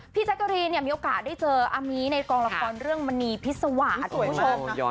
พี่จักรีมีโอกาสได้เจออามีในกองละครเรื่องมณีภิษวาคุณผู้ชม